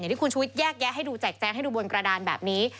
อย่างที่คุณชุวิตแยกให้ดูแจกให้ดูบนกระดานแบบนี้